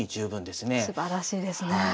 すばらしいですね。